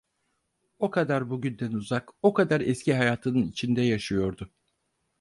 O kadar bugünden uzak, o kadar eski hayatının içinde yaşıyordu.